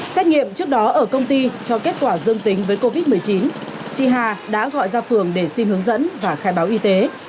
xét nghiệm trước đó ở công ty cho kết quả dương tính với covid một mươi chín chị hà đã gọi ra phường để xin hướng dẫn và khai báo y tế